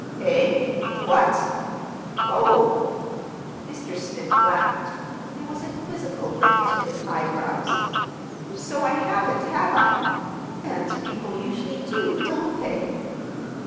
"Eh? What? Oh!" Mr. Smith laughed. There was a quizzical lift to his eyebrows. "So I haven't, have I? And people usually do, don't they?